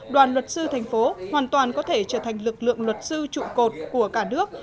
đoàn luật sư thành phố hoàn toàn có thể trở thành lực lượng luật sư trụ cột của cả nước